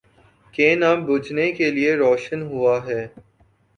کہ نہ بجھنے کے لیے روشن ہوا ہے۔